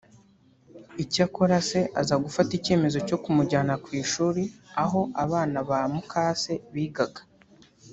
icyakora se aza gufata icyemezo cyo kumujyana ku ishuri aho abana ba mukase bigaga